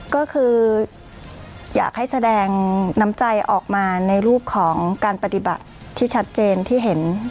ก็คืออยากให้แสดงน้ำใจออกมาในรูปของการปฏิบัติที่ชัดเจนที่เห็น